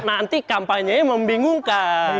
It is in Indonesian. nanti kampanyenya membingungkan